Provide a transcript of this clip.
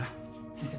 先生